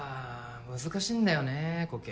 難しいんだよねこけ。